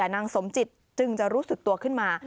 นางสมจิตจึงจะรู้สึกตัวขึ้นมา